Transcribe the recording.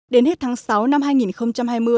đến hết tháng sáu năm hai nghìn hai mươi